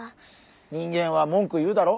人間は文句言うだろ？